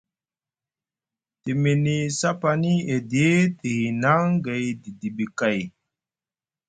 Te mini sapani edi, te hinaŋ gay didiɓi kay.